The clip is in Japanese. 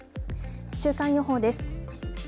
週間予報です。